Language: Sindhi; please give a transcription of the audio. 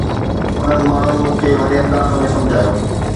انهن ماڻهن مون کي وڏي انداز ۾ سمجهايو